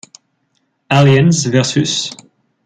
Aliens vs.